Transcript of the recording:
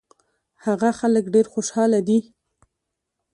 هغه خلک ډېر خوشاله دي.